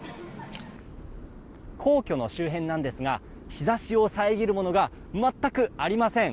皇居の周辺なんですが日差しを遮るものが全くありません。